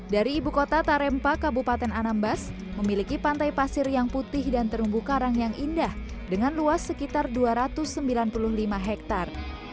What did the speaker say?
dari ibu kota tarempa kabupaten anambas memiliki pantai pasir yang putih dan terumbu karang yang indah dengan luas sekitar dua ratus sembilan puluh lima hektare